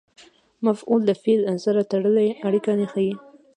مفعول د فعل سره تړلې اړیکه ښيي.